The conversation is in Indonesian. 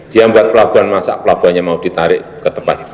dia buat pelabuhan masa pelabuhannya mau ditarik ke tempat itu